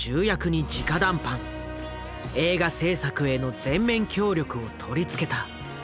映画製作への全面協力を取りつけた。